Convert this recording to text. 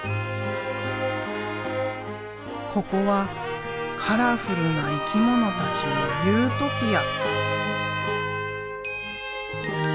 ここはカラフルな生き物たちのユートピア。